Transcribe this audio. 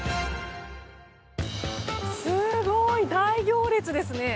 すごい大行列ですね。